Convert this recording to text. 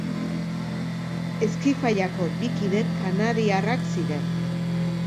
Eskifaiako bi kide kanariarrak ziren.